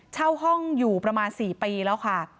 เช่าห้องอยู่ประมาณ๔ปีแล้วค่ะ